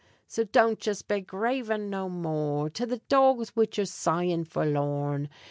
So don't yez be gravin' no more! To the dogs wid yer sighin' forlorn!